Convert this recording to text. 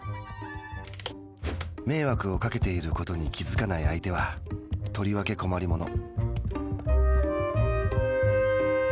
迷惑をかけていることに気づかない相手はとりわけ困りもの。